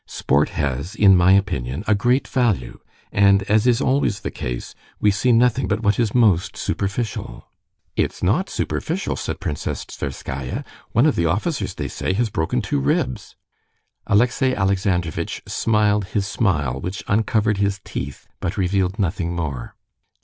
Sport has, in my opinion, a great value, and as is always the case, we see nothing but what is most superficial." "It's not superficial," said Princess Tverskaya. "One of the officers, they say, has broken two ribs." Alexey Alexandrovitch smiled his smile, which uncovered his teeth, but revealed nothing more.